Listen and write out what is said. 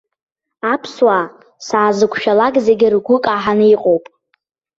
Аԥсуаа саазықәшәалак зегьы ргәы каҳаны иҟоуп.